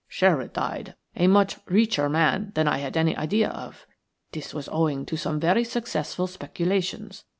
Sherwood died a much richer man than I had any idea of. This was owing to some very successful speculations.